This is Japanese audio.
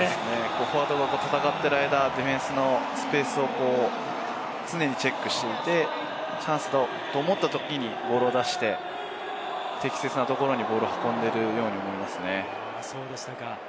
フォワードが戦っている間、ディフェンスのスペースを常にチェックしていて、チャンスと思ったときにボールを出して適切なところにボールを運んでいるように見えますね。